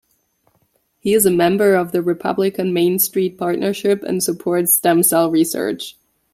He is a member of the Republican Main Street Partnership and supports stem-cell research.